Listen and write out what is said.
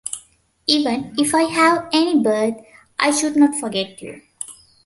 Even if I have any birth, I should not forget you.